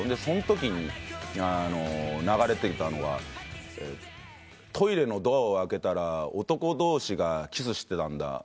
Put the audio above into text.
そんときに流れてきたのが「トイレのドアを開けたら男同士がキスしてたんだ」